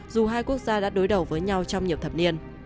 dù hai quốc gia đã đối đầu với nhau trong nhiều thập niên